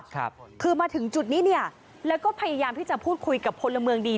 ครับคือมาถึงจุดนี้เนี่ยแล้วก็พยายามที่จะพูดคุยกับพลเมืองดี